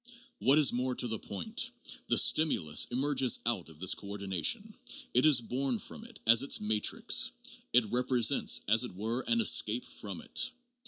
What is more to the point, the ' stimulus ' emerges out of this coordination ; it is born from it as its matrix ; it rep resents as it were an escape from it.